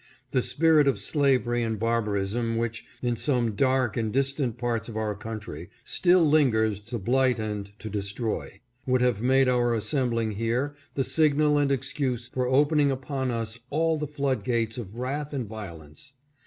The spirit of slavery and barbarism which, in some dark and distant parts of our country, still lingers to blight and to destroy, would have made our assembling here the signal and excuse for open ing upon us all the flood gates of wrath and violence.